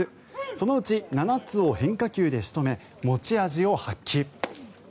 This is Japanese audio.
そのうち７つを変化球で仕留め持ち味を発揮。